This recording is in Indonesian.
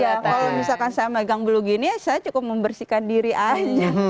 ya kalau misalkan saya megang bulu gini ya saya cukup membersihkan diri aja